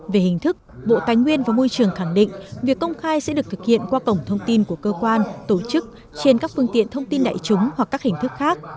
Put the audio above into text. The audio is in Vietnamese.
về hình thức bộ tài nguyên và môi trường khẳng định việc công khai sẽ được thực hiện qua cổng thông tin của cơ quan tổ chức trên các phương tiện thông tin đại chúng hoặc các hình thức khác